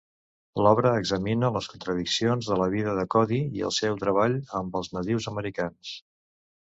L'obra examina les contradiccions de la vida de Cody i el seu treball amb els nadius americans.